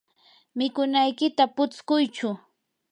mikunaykita putskuychu.